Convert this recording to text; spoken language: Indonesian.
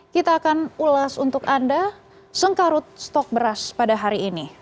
kita akan ulas untuk anda sengkarut stok beras pada hari ini